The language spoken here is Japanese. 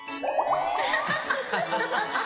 アハハハハ